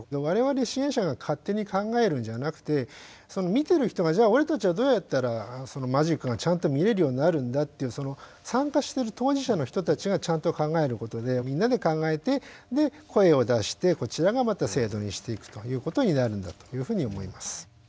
我々支援者が勝手に考えるんじゃなくてその見てる人がじゃあ俺たちはどうやったらそのマジックがちゃんと見れるようになるんだというその参加してる当事者の人たちがちゃんと考えることでみんなで考えて声を出してこちらがまた制度にしていくということになるんだというふうに思います。